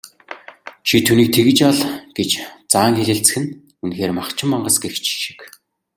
"Чи түүнийг тэгж ал" гэж заан хэлэлцэх нь үнэхээр махчин мангас гэгч шиг.